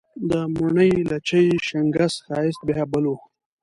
د موڼي، لچي، شینګس ښایست بیا بل و